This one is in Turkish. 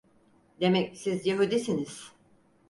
Demek siz Yahudisiniz?